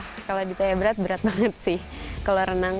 kalau ditanya berat berat banget sih kalau renang